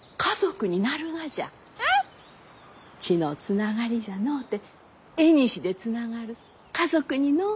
血のつながりじゃのうて縁でつながる家族にのう。